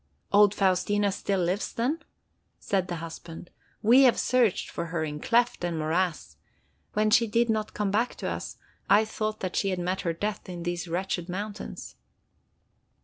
"Old Faustina still lives, then?" said the husband. "We have searched for her in cleft and morass. When she did not come back to us, I thought that she had met her death in these wretched mountains."